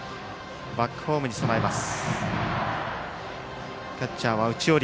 バックホームに備えます。